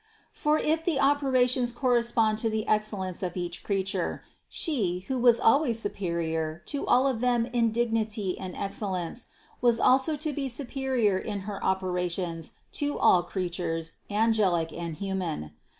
For if the operations correspond to the essence of each creature, She, who always was superior to all of them in dignity and excellence, was also to be superior in her operations to all creatures, angelic and human.